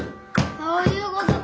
そういうことか！